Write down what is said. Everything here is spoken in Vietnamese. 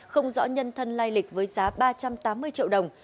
không rõ nhân thân lai lịch với giá ba trăm tám mươi triệu đồng